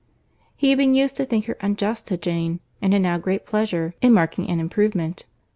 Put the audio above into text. He had been used to think her unjust to Jane, and had now great pleasure in marking an improvement.